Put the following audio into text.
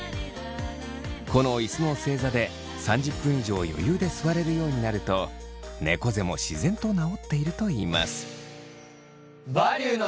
この椅子の正座で３０分以上余裕で座れるようになるとねこ背も自然と治っているといいます。